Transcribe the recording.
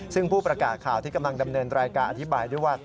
ซึ่งผู้ประกาศข่าวที่กำลังดำเนินรายการอธิบายด้วยว่า